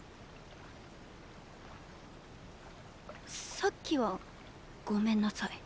さっきはごめんなさい。